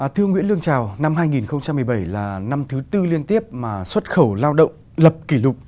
thưa nguyễn lương trào năm hai nghìn một mươi bảy là năm thứ tư liên tiếp mà xuất khẩu lao động lập kỷ lục